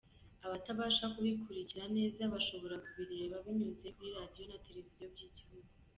Abatabasha kubikurina neza bashobora kubireba binyuze kuri Radio na Televiziyo by’Igihugu.